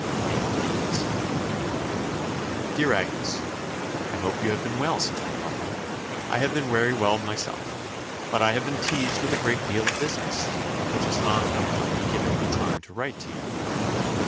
They were these "Dr. Agnes, I hope you have been well since we parted I have been very well myself; but I have been teased with a great deal of business, which has not given me time to write to you before.